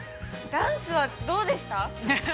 ダンスはどうでした？